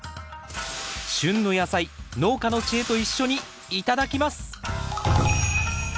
旬の野菜農家の知恵と一緒に頂きます！